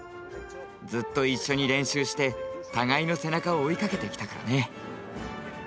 ずっと一緒に練習して互いの背中を追いかけてきたからね。